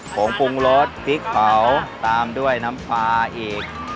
ผงปรุงรสพริกเผาตามด้วยน้ำปลาอีก